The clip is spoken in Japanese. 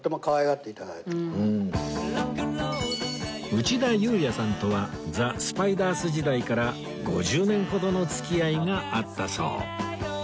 内田裕也さんとはザ・スパイダース時代から５０年ほどの付き合いがあったそう